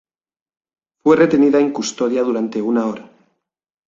Fue retenida en custodia durante una hora.